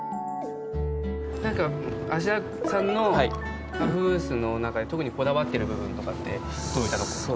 何か芦田さんのアウフグースの特にこだわってる部分とかってどういったとこですか？